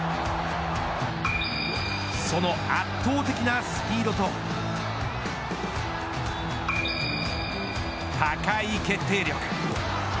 その圧倒的なスピードと高い決定力。